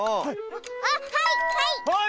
あっはいはい！